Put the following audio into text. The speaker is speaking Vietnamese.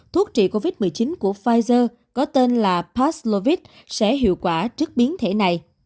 thuốc trị covid một mươi chín của pfizer có tên là paslovit sẽ hiệu quả trước biến thể này